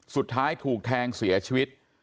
สุดท้ายถูกแทงเสียชีวิต